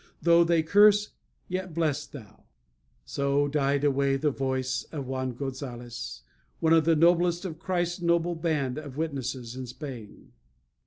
Though they curse, yet bless thou." So died away the voice of Juan Gonsalez, one of the noblest of Christ's noble band of witnesses in Spain.